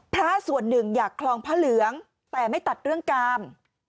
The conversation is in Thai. พระส่วนหนึ่งอยากคลองพระเหลืองแต่ไม่ตัดเรื่องกาม